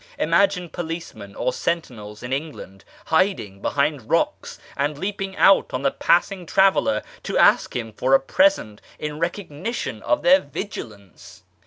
Imagine policemen or sentinels in England hiding behind rocks and leaping out on the passing traveller to ask him for a " present " in recognition of their vigilance